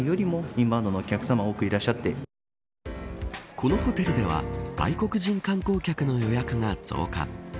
このホテルでは外国人観光客の予約が増加。